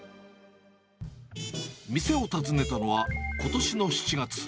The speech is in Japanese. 店を訪ねたのは、ことしの７月。